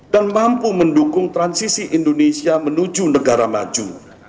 dan mampu mendukung transisi indonesia menuju negara maju